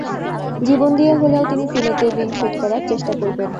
জীবন দিয়ে হলেও তিনি সিলেটের ঋণ শোধ করার চেষ্টা করবেন।